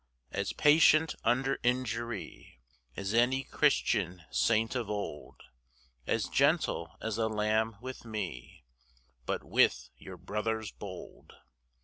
As patient under injury As any Christian saint of old, As gentle as a lamb with me, But with your brothers bold.